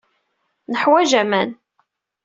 Neḥwaj aman.